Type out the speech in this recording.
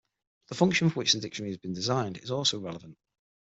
The function for which the dictionary has been designed is also relevant.